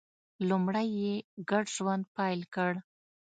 لومړی یې ګډ ژوند پیل کړ